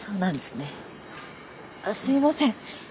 すいません